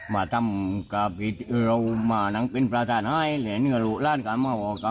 มาทำก็ปิดเรามานั่งเป็นประทานไห้เนี่ยเนี่ยลูกร้านก็มาว่า